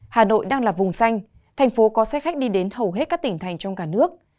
hà nội đang là vùng xanh thành phố có xe khách đi đến hầu hết các tỉnh thành trong cả nước